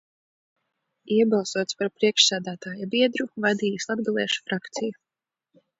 Iebalsots par priekšsēdētāja biedru, vadījis latgaliešu frakciju.